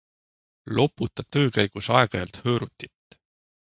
Loputa töö käigus aeg-ajalt hõõrutit.